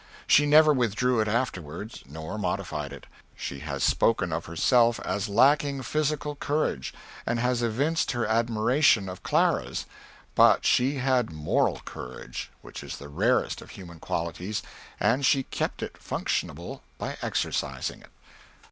She never withdrew it afterward, nor modified it. She has spoken of herself as lacking physical courage, and has evinced her admiration of Clara's; but she had moral courage, which is the rarest of human qualities, and she kept it functionable by exercising it.